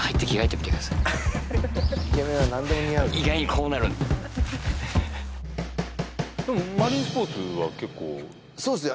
意外にこうなるんででもマリンスポーツは結構そうですね